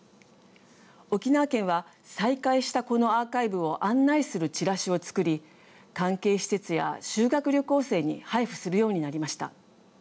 沖縄県は再開したこのアーカイブを案内するちらしを作り関係施設や修学旅行生に配布するようになりました。